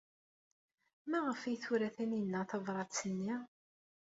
Maɣef ay tura Taninna tabṛat-nni?